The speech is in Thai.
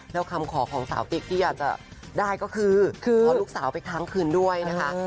แล้วคำขอของสาวติ๊กที่อยากจะได้ก็คือขอลูกสาวไปค้างคืนด้วยนะคะ